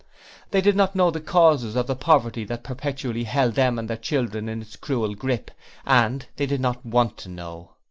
They did not know the causes of the poverty that perpetually held them and their children in its cruel grip, and they did not want to know!